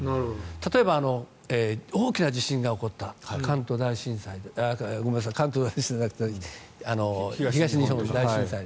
例えば、大きな地震が起こった関東大震災じゃなくて東日本大震災。